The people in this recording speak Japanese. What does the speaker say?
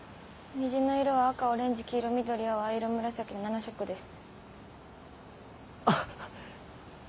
虹の色は赤オレンジ黄色緑青藍色紫の７色です。